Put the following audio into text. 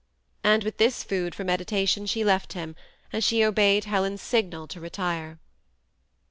And with this food for meditation she left him, as she obeyed Helen's signal to retire.